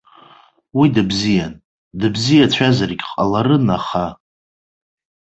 Уи дыбзиан, дыбзиацәазаргьы ҟаларын, аха.